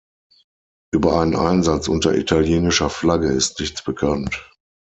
Über einen Einsatz unter italienischer Flagge ist nichts bekannt.